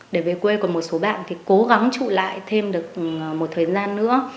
để về quê còn một số bạn thì cố gắng trụ lại thêm được một thời gian nữa